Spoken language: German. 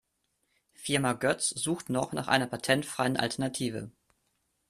Firma Götz sucht noch nach einer patentfreien Alternative.